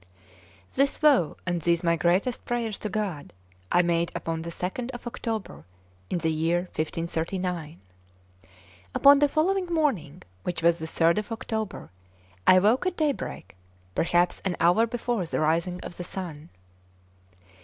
This vow and these my greatest prayers to God I made upon the 2nd of October in the year 1539. Upon the following morning, which was the 3rd of October, I woke at daybreak, perhaps an hour before the rising of the sun.